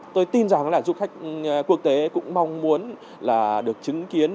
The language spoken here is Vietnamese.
tôi tin rằng du khách quốc tế cũng mong muốn được chứng kiến